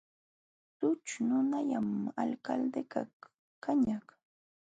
Sućhu nunallam Alcaldekaq kañaq.